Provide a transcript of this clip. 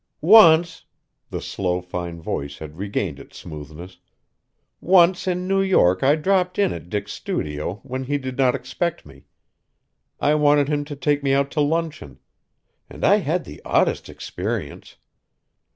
"Once," the slow, fine voice had regained its smoothness, "once in New York I dropped in at Dick's studio when he did not expect me. I wanted him to take me out to luncheon; and I had the oddest experience!